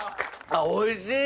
おいしい！